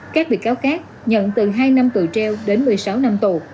các bị cáo khác nhận từ hai năm tù treo đến một mươi sáu năm tù